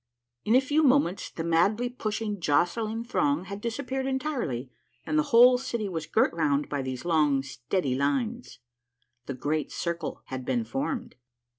In a few moments the madly pushing, jostling throng had disappeared entirely and the whole city was girt round about by these long, steady lines. The Great Circle had been formed.